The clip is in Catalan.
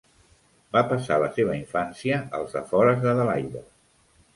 Va passar la seva infància als afores d'Adelaida.